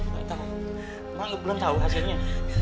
maksudnya belum tahu hasilnya